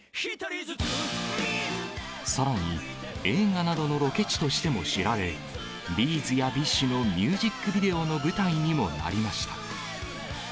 さらに、映画などのロケ地としても知られ、Ｂ’ｚやＢｉＳＨのミュージックビデオの舞台にもなりました。